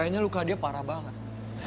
kayaknya luka dia parah banget